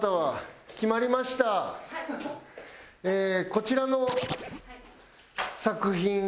こちらの作品。